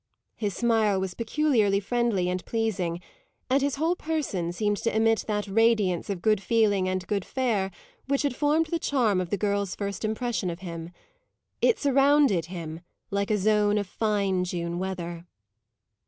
His smile was peculiarly friendly and pleasing, and his whole person seemed to emit that radiance of good feeling and good fare which had formed the charm of the girl's first impression of him. It surrounded him like a zone of fine June weather.